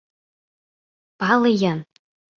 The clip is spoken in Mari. Пале-ян!